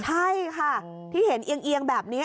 ใช่ค่ะที่เห็นเอียงแบบนี้